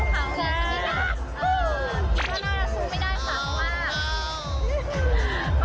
ที่เข็มขาด